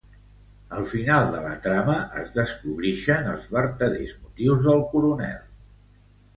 Al final de la trama, es descobrixen els vertaders motius del coronel.